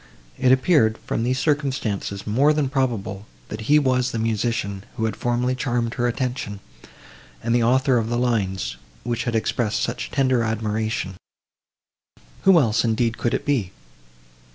It appeared, from these circumstances, more than probable, that he was the musician, who had formerly charmed her attention, and the author of the lines, which had expressed such tender admiration;—who else, indeed, could it be?